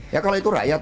ya kalau itu rakyat